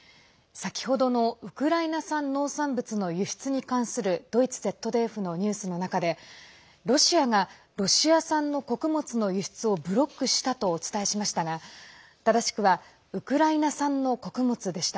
先ほどのウクライナ産農産物の輸出に関するドイツＺＤＦのニュースの中でロシアがロシア産の穀物の輸出をブロックしたとお伝えしましたが正しくはウクライナ産の穀物でした。